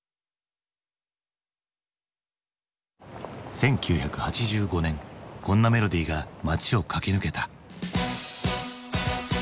１９８５年こんなメロディーが街を駆け抜けた。